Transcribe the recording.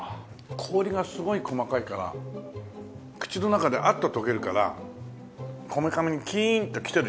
氷がすごい細かいから口の中であっと溶けるからこめかみにキーンってきてる時間がないね。